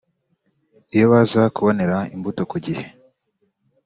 iyo baza kubonera imbuto ku gihe